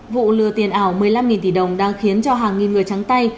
vụ lừa tiền ảo một mươi năm tỷ đồng đang khiến cho hàng nghìn người trắng tay